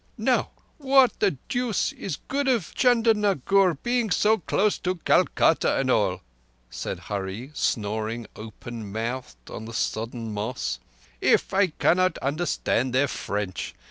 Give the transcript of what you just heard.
"Now what the deuce is good of Chandernagore being so close to Calcutta and all," said Hurree, snoring open mouthed on the sodden moss, "if I cannot understand their French?